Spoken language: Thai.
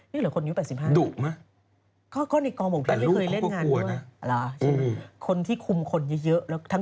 ตาสายแบบแววตาตาสายตา